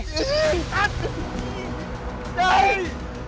ไอ้ตั๊ก